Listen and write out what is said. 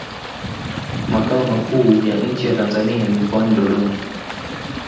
Makao makuu ya nchi ya Tanzania ni mkoani Dododma